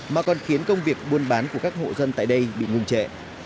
mà còn khiến công việc buôn bán của các hộ dân tại đây bị nguồn trễ